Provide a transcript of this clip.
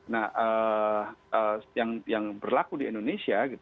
nah yang berlaku di indonesia